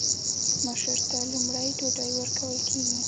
مشر ته لومړی ډوډۍ ورکول کیږي.